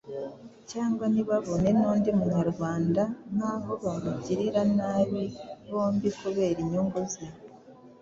cyangwa ntibabone n'undi Munyarwanda nkabo wabagirira nabi bombi kubera inyungu ze